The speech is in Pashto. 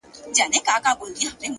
هره لحظه د انتخاب فرصت دی.